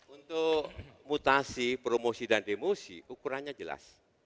untuk mutasi promosi dan demosi ukurannya jelas